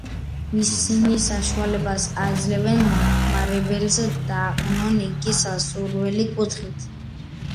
ისინი საშუალებას აძლევენ მომხმარებელს დააყენონ იგი სასურველი კუთხით.